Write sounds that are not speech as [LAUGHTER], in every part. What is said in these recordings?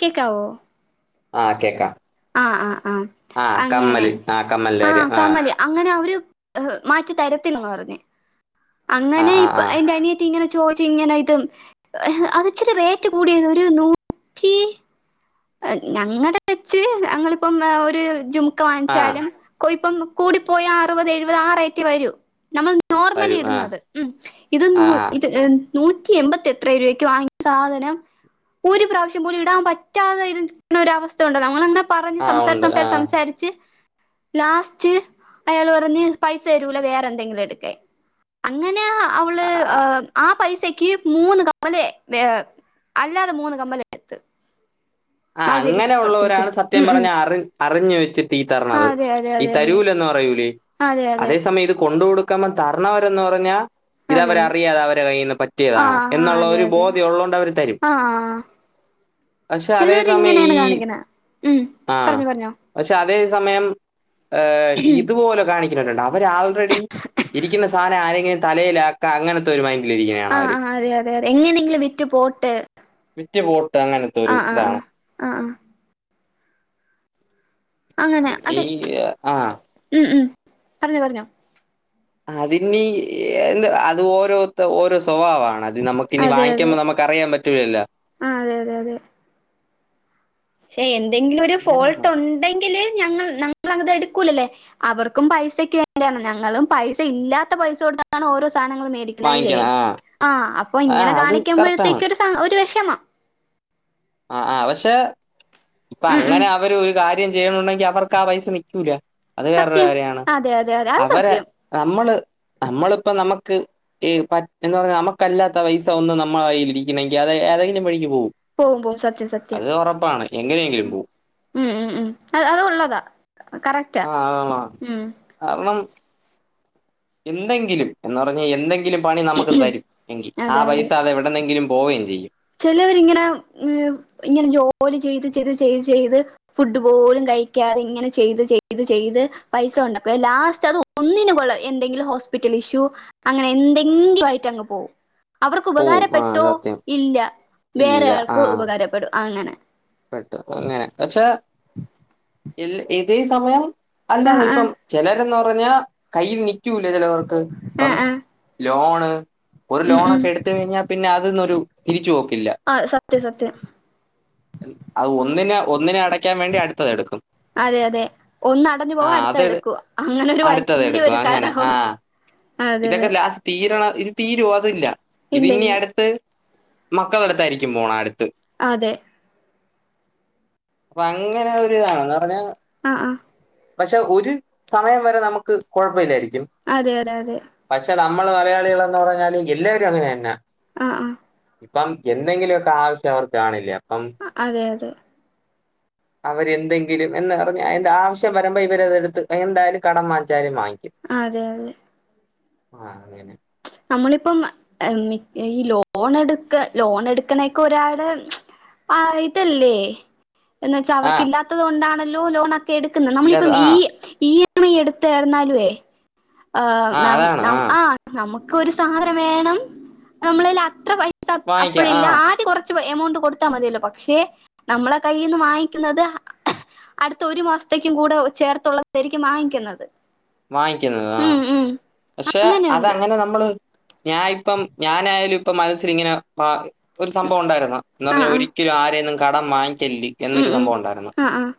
കേക്കാവോ? ആഹ് കേക്കാ ആഹ ആഹ് ആഹ അങ്ങനെ ആ കമ്മലിന്റെ ആ കാര്യം കമ്മൽ മതി അങ്ങനെ അവർ മാറ്റി തരില്ലെന്നു പറഞ്ഞു ആ അങ്ങനെ ആ ഇപ്പോ ആ എന്റെ അനിയത്തി ഇങ്ങനെ ചോദിച്ചു ഇങ്ങനെ ഇത് അതിത്തിരി റൈറ്റ് കൂടിയത് ഒരു നൂറ്റി ഞങ്ങളുടെ വെച്ച് ഞങ്ങളിപ്പം ഒരു ജൂൺ ആ വാങ്ങിച്ചാലും ഇപ്പൊ കൂടി പോയാൽ അറുപത് എഴുപത് ആ റേറ്റ് വരൂ നമ്മൾ നോർമലി വരൂ ആ ഇടുന്നത് മം ഇത് ആ നൂ ആ ഇത് നൂറ്റി എൺമ്പതി എത്രയോ രൂപയ്ക്ക് വാങ്ങിച്ച സാധനം ഒരു പ്രാവശ്യം പോലും ഇടാൻ പറ്റിയിട്ടില്ല പറ്റാതരിക്കുന്ന ഒരവസ്ഥ ഉണ്ടോ നമ്മൾങ്ങനെ പറഞ്ഞു ആ സംസാരി ഉണ്ട് ആ സംസാരിച്ച് സംസാരിച്ച് ലാസ്റ്റ് അയാൾ പറഞ്ഞ് പൈസ തരില്ല വേറെ എന്തെങ്കിലും എടുക്കാൻ അങ്ങനെയ അവൾ ആ ആ, ആ പൈസ ഒരാഴ്ചത്തേക്ക് മൂന്ന് കമ്മൽ അല്ലാതെ മൂന്ന് കമ്മല എടുത്ത് ആ അത് തിരിച്ചു അങ്ങനെ കൊടുത്തിട്ട് ഉള്ളവരാണ് സത്യം ഉം ഉം പറഞ്ഞാൽ അറിവ് അറിഞ്ഞു വെച്ചിട്ട് ആ തീത്തരണത് അതെ അതെ ഈ അതെ അതെ തരൂലന്ന് പറയില്ലേ അതെ അതെ അതേ സമയം ഇത് കൊണ്ടുകൊടുക്കണം അമ്മ തരണവരന്ന് പറഞ്ഞാൽ ഇത് അതെ അവർ അതെ അറിയാതെ അവരെ കയ്യിൽ നിന്ന് ആ പറ്റിയതാണ് ആ എന്നുള്ള അതെ ഒരു അതെ ബോധ്യം ഉള്ളതു കൊണ്ട് അവർ തരും പക്ഷേ ചിലവർ ഇങ്ങനെയാണ് കാണിക്കുന്നത് ഉം ആ പറഞ്ഞോ പറഞ്ഞോ പക്ഷെ അതേ സമയം ഏ ഇതുപോലെ കാണിക്കു ഉണ്ട് അവർ ആൾറെഡി ഇരിക്കുന്ന സാധനം ആരുടെയെങ്കിലും തലയിൽ ആക്കുക അങ്ങനെ ഒരു മൈൻഡ് ആണ് ആ ആഹ് അതെ അതെ അതെ എങ്ങനെങ്കിലും വിറ്റ് പോട്ടെ വിറ്റു പോട്ടെ അങ്ങനത്തൊരു അ ആഹ് അ ആഹ് അങ്ങന ഈ അതെ ആഹ് ഉം ഉം പറഞ്ഞോ പറഞ്ഞോ അതിനെ അത് ഓരോരുത്തര് ഓരോ സ്കൂൾ സ്വഭാവമാണ് അത് നമുക്കിനി അതെ അതെ വാങ്ങിക്കുമ്പോൾ നമുക്ക് അറിയാൻ പറ്റില്ലല്ലോ ആ ശെ എന്ത് എന്തെങ്കിലും ഒരു ഫോൾട്ട് അങ്ങനെയൊക്കെണ്ട് ഉണ്ടെങ്കിൽ ഞങ്ങൾ ഞമ്മളത് എടുക്കുകയില്ലല്ലോ അവർക്കും പൈസക്ക് വേണ്ടിയാണ് ഞങ്ങളും പൈസ ഇല്ലാത്ത പൈസ കൊടുത്താണ് ഓരോ സാ സാനങ്ങൾ മേടിക്കണ അല്ലേ വാങ്ങിക്കണം ആഹ് ആ അപ്പൊ ഇങ്ങനെ ആഹ് അത് കറക്റ്റാണ് കാണിക്കുമ്പൊഴത്തേക്കു ഒരു സ ഒരു വെഷ റ്റമ്മാ ആഹ് ആഹ് പക്ഷെ പ്പൊ ഉം ഉം അങ്ങനെ അവര് ഒരു കാര് ര്യം ചെയ്യണുണ്ടെങ്കി അവർക്ക് ആ പൈസ നിക്കൂല്ല അത് വേറൊരു സത്യം കാര്യാണ് അതെ അതെ അതെ അത് അവരെ സത്യം നമ്മള് നമ്മള്പ്പോ നമ്മക് ക്ക് ഈ പറ്റ് നമുക്കല്ലാത്ത പൈസ ഒന്ന് നമ്മളായ്യില് ഇരിക്കിണെങ്കി അത് ഏതേങ്കിലും വഴിക്ക് പോവും പോവും പോവും സത്യം സത്യം എങ്ങനെയെങ്കിലും പോവും ഉം ഉം ഉം അത് ഉള്ളതാ കറക്റ്റ ആഹ് ഉം കാരണം എന്തെങ്കിലും എന്ന് പറഞ്ഞാ യെന്തെങ്കിലും പണി നമുക്ക് തരും എങ്കി ആ പൈസ അത് എവ്ടന്നെങ്കിലും പോവേം ചെയ്യും ചെലവര് ഇങ്ങന മ് ഇങ്ങനെ ജോലി ചെയ്ത് ചെയ്ത് ചെയ് ചെയ്ത് ഫുഡ് പോലും കഴിക്കാതെ ഇങ്ങനെ ചെയ്ത് ചെയ്ത് ചെയ്ത് പൈസ ഒണ്ടാക്കുവെ ലാസ്റ്റ് അത് ഒന്നിനു കൊള്ള എന്തെങ്കിലും ഹോസ്പിറ്റൽ ഇഷ്യൂ അങ്ങനെ എന്തെങ്കിലും ആയിറ്റ് അങ്ങ് പോവും അവർക്ക് പോവും ആഹ് ഉപകാരപ്പെട്ടോ സത്യം ഇല്ല ഇല്ല വേറെയാൾക്ക് ആഹ് ഉപകാരപ്പെടും അങ്ങനെ പെട്ടു അങ്ങനെ പക്ഷെ ഇല് ഇതേ സമയം അല്ലാത ആഹ് ഇപ്പം ആഹ് ചെലരെന്നോ റഞ്ഞാ കയ്യി നി ക്കൂല ചെലവർക്ക് ഇപ്പം ആഹ് ആഹ് ലോൺ ആഹ് ഒരു ഉം ഉം ലോണൊക്കെ എടുത്തു കഴിഞ്ഞാൽ പിന്നെ അതീന്നൊരു [UNINTELLIGIBLE] ആഹ് സത്യം സത്യം അത് ഒന്നിന് ഒന്നിനട അതെ അതെ ഒന്ന് അടഞ്ഞു ആ പോവാ അടുത്ത അത് എടുക്കൂ അങ്ങനെ ഒരു അടുത്തത് എടുക്കും വലിയൊരു അങ്ങനെ കടം ആ ആകും അതെ അതെ ഇതൊക്കെ ലാസ്റ്റ് തീരണ ഇത് തീരുും അതില്ല ഇല്ല ഇതിന്നി ഇല്ല അടുത്ത് മക്കള അടുത്തായിരിക്കും പോണ അടുത്ത് അതെ അപ്പൊ അങ്ങനെ ഒരിതാണ പറഞ്ഞാ ആഹ് ആഹ് പക്ഷെ ഒരു സമയം വരെ നമുക്ക് കുഴപ്പമില്ലായിരിക്കും അതെ അതെ അതെ നമ്മള് മലയാളികളാഎന്ന് പറഞ്ഞാല് എല്ലാവരും അങ്ങനെന്നെ ആഹ് ഇപ്പം എന്തെങ്കിലൊക്കെ ആവശ്യം അവർക്ക് കാണില്ല അതെ അതെ അവരെന്തെങ്കിലും എന്ന് അറിഞ് അയ്ന്റെ ആവശ്യം വരമ്പോ ഇവര്ത് ട്ത്ത് എന്തായാലും കടം വങ്ങിച്ചാലും വാങ്ങി അതെ അതെ ആഹ് അതേനെ നമ്മളിപ്പം [UNINTELLIGIBLE] ഈ ലോണ എടുക്ക ലോണ എടുക്ക്ണേക്കൊരാള് ആയിട്ടെല്ലെ എന്ന് വെച്ചാ ആ അവർക്ക് ഇല്ലാത്തത് കൊണ്ടാണ് ലോ ലോണക് എടുക്കുന്നെ ഇല്ലാതെ നമ്മളിപ്പം. മീ ആ ഈ അമ്മ ഈ എടുത്തർന്നാല്ലെ ആ അതാണ് ആഹ് ആ നമുക്ക് ഒരു സാധനം വേണം നമ്മളെല് അത്ര പൈ വാങ്ങിക്കാം അപ്പഴില്ല ആ ആദ്യ കൊറ് എമൗണ്ട് കൊടുത്താ മതിയല്ലോ പക്ഷെ നമ്മളെ കയ്യിന്ന് വാങ്ങിക്ക്യുന്നത് അടുത്ത ഒരു മാസത്തേക്കും കൂടെ ചേർത്തുള്ളതേരിക്കും വാങ്ങിക്കുന്നത് വാങ്ങിക്ക്ന്നത് ആഹ് ഉം ഉം പക്ഷെ അങ്ങനെയുണ്ട് അതങ്ങനെ നമ്മൾ ഞാൻ ഇപ്പം ഞാനായാലും ഇപ്പം മനസ്സിൽ ഇങ്ങനെ പ ഒരു സംഭവം ഒണ്ടായിരുന്നു എന്നാ ആഹ് പിന്നെ ആഹ് ഒരിക്കലും ആരെന്നും കടം വാങ്ങി ക്കെല്ലി ഉം എന്നൊരു ഉം സംഭവം ഒണ്ടായിരുന്നു. ആഹ് ആഹ്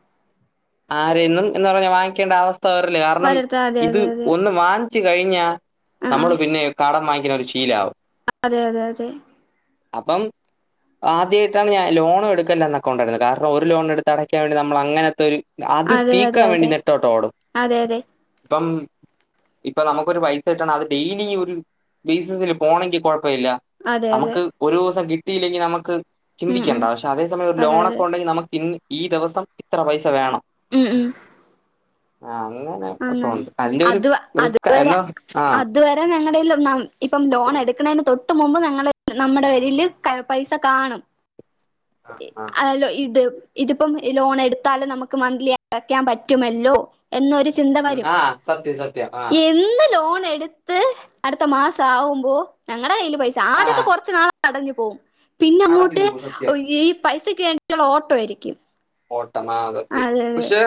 ആരെയെന്നും എന്ന് പറഞ്ഞാ വാങ്ങിക്കേണ്ട അവസ് ത്തവരല് കാരണം വരർത്ത അതെ ഇത് അതെ അതെ ഒന്ന് വാങ്ങ് ച്ച് കഴിഞ്ഞാ നമ്മള് ആഹ് പിന്നെ കാടം വാങ്ങി ഇങ്ങനൊരു ശീലാവും. അതെ അതെ അതെ അപ്പം ആദ്യയിട്ടാണ് ഞാൻ ലോണും എടുക്കില്ലാന്നൊക്കണ്ടായിരുന്നു, കാരണം ഒരുലോൺ ലോണ് എടുത്ത് അടയ്ക്കാൻ വേണ്ടി നമ്മളങ്ങെനെത്തൊരു അത് അതെ അതെ തീക്കാൻ അതെ വേണ്ടി അതെ നെട്ടോട്ടോടും, അതെ ഇപ്പം ഇപ്പ നമ്മക്കൊരു പൈസക്കിട്ടണെ അത് ഡെയിലി ഒരു ബെയ്സസ്സിൽ പോണെങ്കി കൊഴപ്പ് പ്പയില്ല അതെ അതെ നമ്മക്ക് ഒരൂസം കിട്ട് കിട്ടിയില്ലെങ്കിൽ നമ്മക്ക് ഉം ചിന്തിക്കേണ്ട ഉം പക്ഷേ അതേസമയം ഒരു അതെ ലോണൊക്കെ അതെ ഒണ്ടെങ്കി നമ്മക്ക് ഇന്ന് ഈ ദിവസം ഇത്ര പൈസ വേണം. ഉം ഉം ആ അങ്ങനെ അങ്ങനെ അക്കൗൺണ്ട് അന്റൊരു അത് അതുവരെ അതുവരെ ഞങ്ങടെയിൽ ഒന്നാ ഇപ്പോ ലോണെട്ക്ക്ണെന്നു തൊട്ട് തൊട്ടുമുമ്പ് ഞങ്ങളെ നമ്മടെ വരിയിൽ പൈസ കാണും ഇ ആ അലോ ഇത് ഇതിപ്പോ ലോണെടുത്താലും നമ്മക്ക് മന്ത്ലി അടക്കാൻ പറ്റുമല്ലോ എന്നൊരു ചി ചിന്ത ഉം, വരും ആ സത്യം സത്യം ആ എന്ന് ലോൺ എടുത്ത് അടുത്ത മാസാവുമ്പോ ഞങ്ങടെ കയ്യില് പൈസ ആ ആദ്യത്തെ കുറച്ചു നാൾ അടഞ്ഞുപോവും അടഞ്ഞു പിന്നങ്ങോട്ട് പോകും സത്യം ഒയ്യെ പൈസക്ക് വേണ്ടിയുള്ള ഓട്ടമായിരിക്കും ഓട് ട്ടമാ സത്യംപക്ഷെ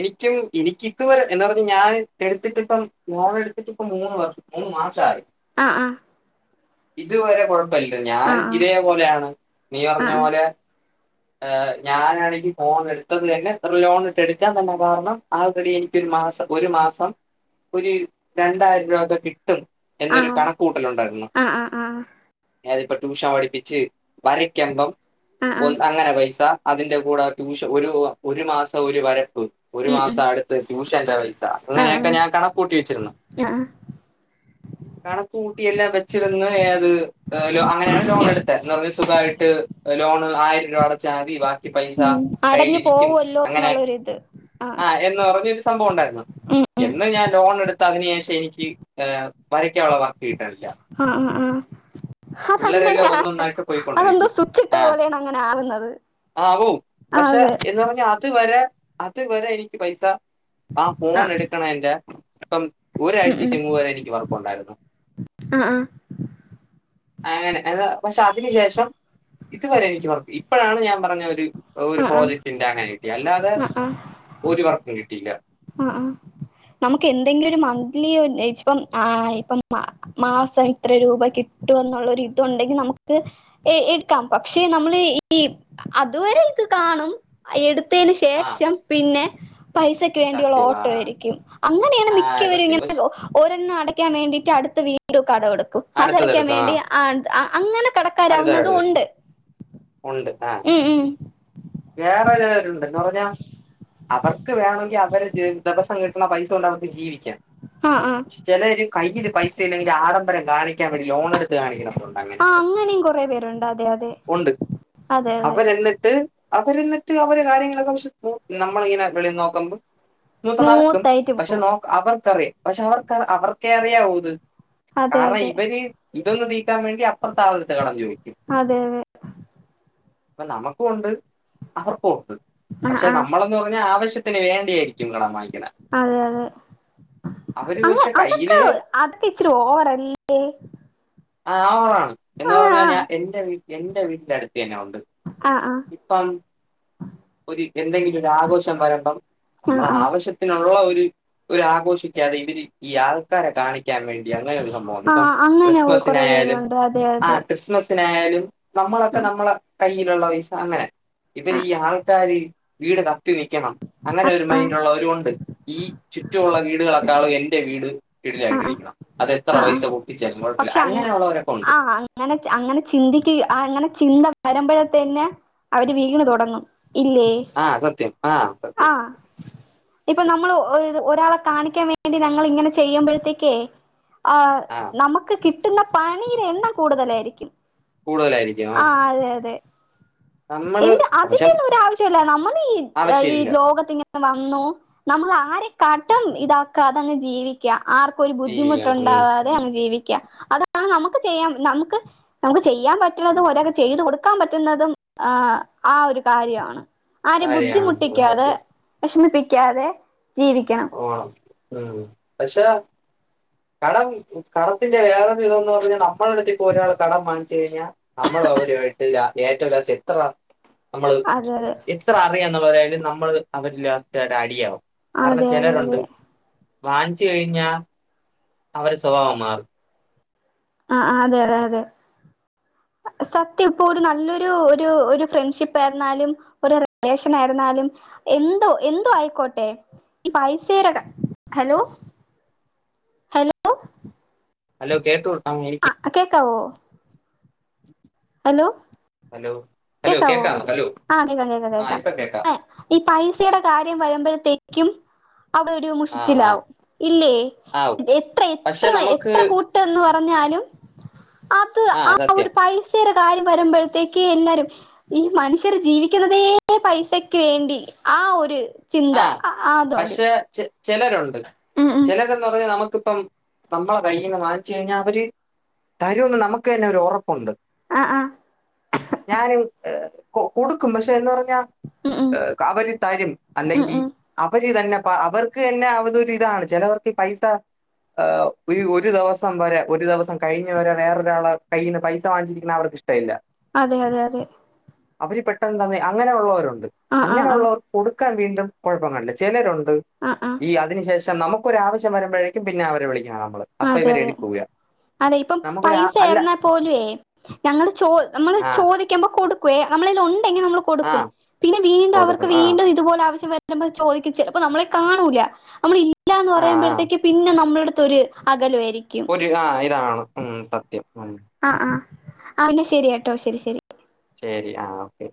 എനിക്കും എനിക്കിതുവരെ എന്താ പറഞ ഞാൻ എടുത്തിട്ടിപ്പം ഫോണടുത്തിട്ടിപ്പം മൂന്ന് വർ മൂന്ന് മാസായി ആഹ് ആ ഇതുവരെ കുഴപ്പ പ [UNINTELLIGIBLE] ല്ല ആ ഞാനും ആ ഇതേപ്പോലാണ് നീ ആ പറഞ്ഞ പോലെ ഏ ഞാനാണെങ്കി ഫോണെട്ത്തത് തന്നെ ഒരു ലോണൊക്കെ എട്ക്കാൻ തന്നെ കാരണം ആകെ കൂടി എനിക്കൊരുമാസം ഒരുമാസം ഒര് രണ്ടായിരം രൂപയൊക്കെ കി ട്ടും ആ എന്നൊരു കണക്കുകൂട്ടലുണ്ടായിരുന്നു ആ ആ അതിപ്പൊ ട്യൂഷൻ പഠിപ്പിച്ച് വരക്കവുമ്പം ആ ആ ഒ അങ്ങനെ പൈസ അതിന്റെ കൂടെ ട്യൂഷൻ ഒരു ഒരു മാസം ഒരു വരെ ട്ടു ഒരു ഉം ഉം മാസം അട്ത്ത ട്യൂഷന്റെ പൈസ ആ ആ അങ്ങനെക്കെ ഞാൻ കണക്ക്ക്കൂട്ടി വെച്ചിരുന്നു ആ കണക്ക് കൂട്ടിയെല്ലാം വെച്ചിരുന്നു ഏത് ലോ അങ്ങനെണ് ലോണെടുത്തെ എന്ന മക്ക് സുഖായിട്ട് ലോണ് ആയിരം രൂപ അടച്ചാ മതി ബാ ഉം അടഞ്ഞ് പോവൊല്ലോ എന്നുള്ളൊരിത് ആ ആഹ് എന്ന് പറഞ്ഞൊരു സംഭവം ണ്ടായിര്ന്നു ഉം എന്ന് ഞാൻ ലോണെടുത്ത അതിന് ശേഷം എനിക്ക് വര യ്ക്കാനൊളള വർക്ക് കിട്ടണില്ല പിള്ളേരെല്ലാം അതങ്ങനെയാണ് ഒന്നൊന്നായിട്ട് അതെന്തോ പോയിക്കൊണ്ടിരിക്കും. സുച്ചിട്ട ആഹ് പോലെണ് അങ്ങനാവുന്നത് ആവും ആ അതെ അത് വരെ എനിക്ക് പൈസ ആ ഫോൺ എട്ക്കണേന്റെ എപ്പം ഉം ഉം ഒരാഴ്ചക്ക് മുമ്പു വരെ എനിക്ക് വർക്കൊണ്ടാരുന്നു ആ ആ അങ്ങനെ അത് പക്ഷെ അതിന് ശേഷം ഇതുവരെ എനിക്ക് വർക്ക്‌ ഇപ്പോഴാണ് ഞാൻ പറഞ്ഞ ഒരു- ഒരു ആ ആ പ്രോജക്ട് ഉന്റെ [UNINTELLIGIBLE] അങ്ങനെ കിട്ടി അല്ലാതെ ആ ആ ഒരു വർക്ക് കിട്ട ഇല്ല ആ നമുക്ക് എന്തെങ്കിലും ഒരു മന്ത്ലി ആ ഇത്ര രൂപ കിട്ടും എന്നുള്ള ഇതുണ്ടെങ്കി നമുക്ക് എടുക്കാം പക്ഷെ നമ്മള് അതുവരെ ഇത് കാണും എടുത്തതിന് ആഹ് ശേഷം പിന്നെ പൈസ പൈസക്ക് വേണ്ടിയുള്ള സത്യം ആഹ് ഓട്ടവായിരിക്കും അങ്ങനെയാണ് ആഹ് മിക്കവരും സത്യം ഇങ്ങനെ ഒരെണ്ണം അടയ്ക്ക അടക്കാൻ വേണ്ടിട്ട് അടുത്ത വീണ്ടും കടം എടുക്കും അതടക്കാൻ അടുത്തതെടുക്കാം വേണ്ടി ആഹ് ആ ആ അങ്ങനെ കടക്കാരാവുന്നതും അടുത്തതെടുക്കും ഉണ്ട് ഒണ്ട് ആ ഉം ഉം. വേറെചെലരുണ്ട് എന്ന് പറഞ്ഞാ അവർക്ക് വേണൊങ്കി അവര് ദ് ദെവസം കിട്ടി കിട്ടുന്ന പൈസ കൊണ്ടവർക്ക് ജീവി ആ ആ പക്ഷെ ചിലര് കയ്യില് പൈസ ഇല്ലെങ്കിൽ ആഡംബരം കാണിക്കാൻ വേണ്ടി ലോണെടുത്ത് കാണിക്കണവരൊണ്ട് അങ്ങനെ അങ്ങനേം കൊറെ പേരൊണ്ട് അതെ അതെ ഉണ്ട് അതെ അതെ അവരെന്നിട്ട് അവരെന്നിട്ട് അവരടെ കാര്യങ്ങളൊക്കെ വിശ്വസിച്ചു പോ [UNINTELLIGIBLE] നമ്മളിങ്ങനെ വെളീനോക്കുമ്പോം [UNINTELLIGIBLE] നടക്കും സ്മൂത്ത് ആയിട്ട് പോകും പക്ഷെ നോക് അവർ അറിയാം പക്ഷെ അവർക്ക് അവർക്കേ അറിയാവൂ ഇത് അതെ കാരണം അതെ ഇവര്- ഇതൊന്നും നീ കിട്ടാൻ വേണ്ടി അപ്പുറത്താളെത്ത് കടൻ ചോദിക്കും അതെ അതെ അപ്പൊ നമുക്ക ഉണ്ട് അവർക്കും ആഹ് പക്ഷെ ആഹ് നമ്മളന്ന് പറഞ്ഞാ ആവശ്യത്തി, - ആവിശ്യത്തിന് വേണ്ടിയായിരിക്കും കടമായി അതെ അവര് അതെ പക്ഷെ കയ്യില് അതൊക്കെ ഇച്ചിരി ഓവർല്ലേ ആ ആ എന്ന് പറഞ്ഞ ഞാൻ എന്റെ വീട്ടി - എന്റെ വീട്ടില അടുത്ത് തന്നെ ഉണ്ട് ആഹ് ആഹ് ആഹ് ഇപ്പം ഒരു എന്തെങ്കിലും ഒരു ആഘോഷം വരുമ്പം നമ്മള ആഹ് ആവശ്യത്തിനുള്ള ഒരു ഒ ആഘോഷിക്കാതെ ഇവര് ഈ ആൾക്കാരെ കാണിക്ക- ക്കാൻ വേണ്ടിയാണ് അങ്ങന സംഭവ ഇണ്ട് ട്ടോ ആഹ് ആഹ് അങ്ങനെ കൊറെ ക്രിസ്മസാലും പേരുണ്ട് അതെ ആ അതെ ക്രിസ്മസ് ന്തയാലും നമ്മളക്കെ ആഹ് നമ്മള കയ്യിലുള്ള പൈസ അങ്ങനെ ഇപ്പൊ ആഹ് ഈ ആ കാരി വീട് കാ ത്തി നക്കണം അങ്ങനെ ഒരു ആഹ് മൈൻറ്ള്ളവര ഉണ്ട് ഈ ചുറ്റുമുള്ള വീട് വീടുകളെക്കാളും എന്റെ വീട് അ കിടിലായിട്ടിരിക്കണം. അത് എത്ര ആആ ആ പൈസ പൊട്ടിച്ചാലും കുഴപ്പമില്ല പക്ഷെ അങ്ങനെയുള്ളവരൊക്കെ ഉണ്ട്. ആ അങ്ങനെ അങ്ങനെ ചിന്തിക്കുക അങ്ങനെ ചിന്ത പരമ്പര തന്നെ അവര് വീണ് തുടങ്ങും ഇല്ലേ ആഹ് സത്യം ആഹ് സത്യം ആഹ് ഇപ്പൊ നമ്മൾ ഒരാളെ കാണിക്കാൻ വേണ്ടി ങ്ങൾ ഇങ്ങനെ ചെയ്യുമ്പഴ ത്തിക്കെ ആ നമുക്ക് കി കിട്ടുന്ന പണില് എണ്ണ കൂടുതലായിരിക്കും കൂടുതലായിരിക്കും ആ ആഹ് അതെ അതെ നമ്മള് എന്ത് പക്ഷെ അതിന്റെ ഒന്നും ഒരു ആവശ്യല്ല നമ്മൾ ഈ ഈ ആവശ്യമില്ല ലോകത്തിങ്ങനെ വന്നു നമ്മൾ ആരെക്കാട്ടും ഇതാക്ക അതങ്ങ് ജീവിക്കാം ആർക്കും ഒരു ജീവിക്കണം ഉം ബുദ്ധിമുട്ടുണ്ടാവാതെ അങ്ങ് ജീവിക്കുക അതാണ് നമുക്ക് ചെയ്യാം നമുക്ക് നമുക്ക് ചെയ്യാൻ പറ്റുള്ളത് ഒരൊക്കെ ചെയ്തു കൊടു ക്കാൻ പറ്റുന്നതും ആഹ് ആ ഒരു കാര്യമാണ് ആരെ കാര്യാണ് ഉം, ബുദ്ധിമുട്ടിക്കാതെ സത്യം വെഷമി ക്കാതെ ജീവിക്കണം ഓണം പക്ഷെ കടം കടത്തിന്റെ വേറെരു വിധംന്ന് പറഞ്ഞൽ നമ്മളടുത്തപ്പോ ഒരാൾ കടം വാങ്ങിച്ച് കഴിഞ്ഞാൽ നമ്മൾ അവരട്ടില്ല ഏറ്റവുംല എത്ര നമ്മള് അതെ അതെ എത്ര അറിയാന്ന് പറയാലും നമ്മള് അവരിൽ അത്തടെ അടിയാവും അതെ അതെ ജനരുണ്ട് അതെ വാങ്ങിച്ചു കഴിഞ്ഞാ അവര് സ്വഭാവ മാറ് ആ അതെ അതെ അതെ സത്യം ഇപ്പോ ഒരു നല്ലൊരു ഫ്രണ്ട്ഷിപ്പ് ആയിരുന്നാലും ഒരു റിലേഷൻ ആയിരുന്നാലും എന്തോ എന്തോ ആയിക്കോട്ടെ ഈ പൈസര ഹലോ ഹലോ ഹലോ കേട്ടൂ ആ ഇപ്പ കേക്കാവോ ഹലോ ഹലോ ഹലോ കേക്കാവോ കേക്കാം ഹലോ ആഹ് കേക്കാം കേക്കാം ആ കേക്കാം ഇപ്പൊ ഏ ഈ പൈസയുടെ കാര്യം വരുമ്പഴ്ത്തേക്ക് ക്കും അവിടെ ഒരു ആ ആ മുഷിച്ചില്ലാവും ഇല്ലേ ആ എത്ര പക്ഷെ എത്ര നമുക്ക് എത്ര കൂട്ടന്ന് പറ ഞ്ഞാലും അത് ആ ഒരു പൈസ [UNINTELLIGIBLE] കാര്യം വരുമ്പോഴത്തേക്ക് എല്ലാരും ഈ മനുഷ്യർ ജീവിക്കുന്നതേ പൈസക്ക് വേണ്ടി ആ ഒരു ചിന്ത ആ [UNINTELLIGIBLE] ചെലരുണ്ട് ചിലരെന്ന് പറഞ്ഞ ക നമുക്ക് മ്മക്കിപ്പം നമ്മളെ കയ്യീന്ന് വങ്ങിച്ച് കഴിഞ്ഞാൽ അവര് തരൂന്ന് നമുക്ക് തന്നെ ഒരു ഒറപ്പുണ്ട് ആ ആ ഞാനും ഏഹ് കൊ കൊടുക്കും പക്ഷെ എന്ന് പറഞ്ഞാ ഉം ഉം ഏഹ് [UNINTELLIGIBLE] ഉം അല്ലെങ്കി ഉം അവര് ഇതന്നെ പ്പ അവർക്ക് തന്നെ അവതൊരിതാണ് ചെലവർക്ക് ഈ പൈസ ഒരു ഒരു ദവസം വരെ ഒരു ദവസം കഴിഞ്ഞ് വരെ വേറൊരാള് കയ്യിന്ന് പൈസ വാങ്ങിച്ചിര്ക്ക്ണ അവർക്ക് ഇഷ്ടവില്ല അതെ അതെ അതെ അവര് പെട്ടെന്ന് തന്നെ അങ്ങനെ ഉള്ളവരുണ്ട് ആ ആ ആ അങ്ങനെയുള്ളവർ കൊട് ക്ക വീണ്ടും കൊഴപ്പം കണ്ട് ചെലരുണ്ട് ആ ആ ഈ അതിനു ശേഷം നമുക്കൊരാവശ്യം വരുമ്പഴേക്കും പിന്നെ അവരെ വിളിക്കണം നമ്മള് അപ്പൊ അതെ അതെ ഇവരെടുക്കുക അതെ ഇപ്പം നമുക്കൊരു ആ- പൈസ അല്ല ഏർന്നാ പോലേ ഞങ്ങള് ചോ നമ്മള് ആ ചോദിക്കുമ്പോ കൊടുക് കേ ഞമ്മളെൽ ഒണ്ട് ണ്ടങ്കി നമ്മള് ആ കൊടുക്കും പിനി വീണ്ടും അവർക്ക് കൊടുക്കും ആ വീണ്ടും ഇതുപോലെ ആവശ്യം മൾ ചോദികും ചെലപ്പ നമ്മളെ കാണൂല നമ്മള് ഇലല്ലാന്ന് ആ ആ പറയുമ്പോഴത്തേകക്കും പിന്നെ നമ്മളെ ത്തൊര് അകലുവേ ഒരു ആഹ ഇതാണ് ഉം സത്യം ഉം ആ ആ ആന്നെ ശരി കേട്ടോ ശരി ശരി ശരി ആ ഓക്കെ